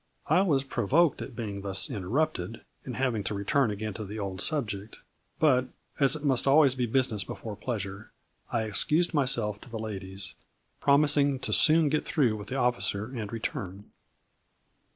I was provoked at being thus inter rupted, and having to return again to the old subject, but, as it must always be business before pleasure, I excused myself to the ladies, prom ising to soon get through with the officer and return.